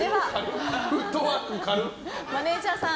マネジャーさん